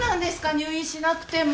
入院しなくても。